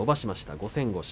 ５戦５勝。